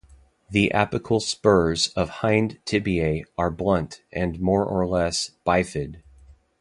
The apical spurs of hind tibiae are blunt and more or less bifid.